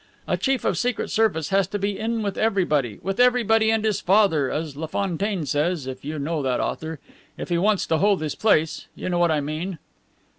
A chief of Secret Service has to be in with everybody, with everybody and his father, as La Fontaine says (if you know that author), if he wants to hold his place. You know what I mean."